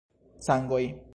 Sangoj.